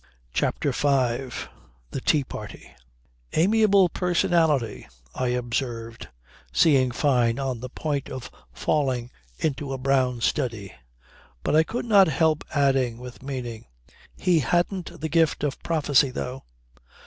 CHAPTER FIVE THE TEA PARTY "Amiable personality," I observed seeing Fyne on the point of falling into a brown study. But I could not help adding with meaning: "He hadn't the gift of prophecy though."